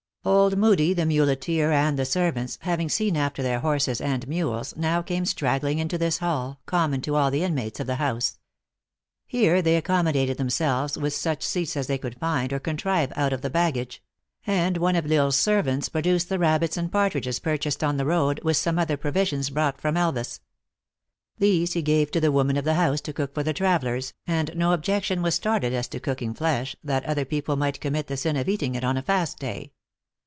Old Moodie, the muleteer, and the servants, having seen after their horses and mules, now came straggling into this hall, common to all the inmates of the house. Here they accommodated themselves with such seats as they could tind, or contrive out of the baggage ; and one of L Isle s servants produced the rabbits and partridges purchased on the road, with some other provisions brought from Elvas. These he gave to the woman of the house to cook for the travelers, and no objection was started as to cooking flesh, that other people might commit the sin of eating it on a fast day.